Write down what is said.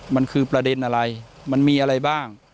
มันคือประเด็นอะไรมันมีอะไรบ้าง